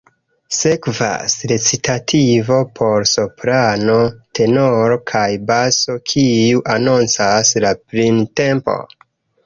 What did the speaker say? Sekvas recitativo por soprano, tenoro kaj baso, kiu anoncas la printempon.